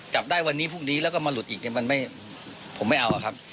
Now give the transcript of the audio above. จับได้วันนี้พรุ่งนี้แล้วก็มาหลุดอีกเนี่ยมันไม่ผมไม่เอาครับ